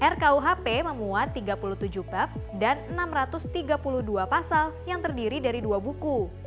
rkuhp memuat tiga puluh tujuh bab dan enam ratus tiga puluh dua pasal yang terdiri dari dua buku